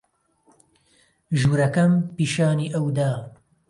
ژوورەکەم پیشانی ئەو دا.